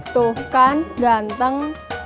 tuh kan ganteng